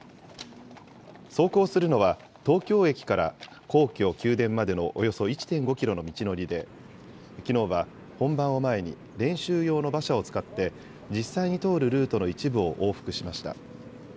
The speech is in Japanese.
走行するのは、東京駅から皇居・宮殿までのおよそ１．５キロの道のりで、きのうは本番を前に練習用の馬車を使って、実際に通るルートの一部を往復しました。